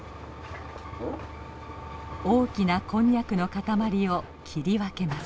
大きなこんにゃくの塊を切り分けます。